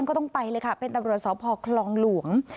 ก็ต้องไปเลยค่ะเป็นตำรวจสพคลองหลวง